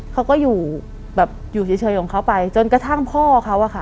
เขาก็อยู่เฉยของเขาไปจนกระทั่งพ่อเขา